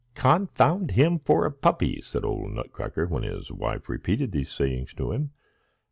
"Confound him for a puppy!" said old Nutcracker, when his wife repeated these sayings to him.